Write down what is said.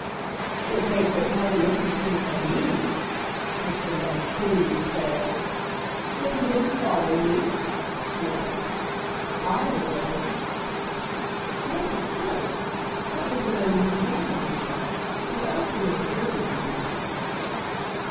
"It makes it mighty interesting for me!" Mr. Mudge freely declared. "Yet he didn't follow you?" he asked. "I would!" "Yes, of course. That was the way you began, you know. You're awfully inferior to him."